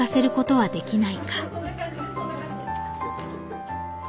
「はい！